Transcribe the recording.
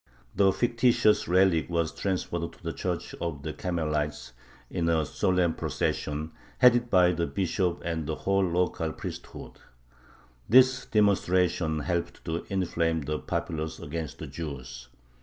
The fictitious relic was transferred to the Church of the Carmelites in a solemn procession, headed by the Bishop and the whole local priesthood. This demonstration helped to inflame the populace against the Jews.